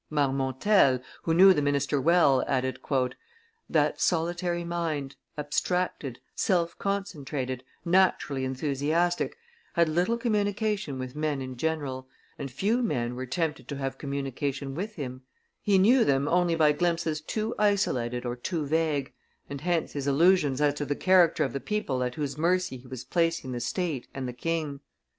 Marmontel, who knew the minister well, added, "That solitary mind, abstracted, self concentrated, naturally enthusiastic, had little communication with men in general, and few men were tempted to have communication with him; he knew them only by glimpses too isolated or too vague, and hence his illusions as to the character of the people at whose mercy he was placing the state and the king."